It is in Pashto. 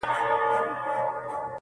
ارام سه څله دي پر زړه کوې باران د اوښکو.